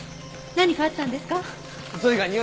何かあったんですか？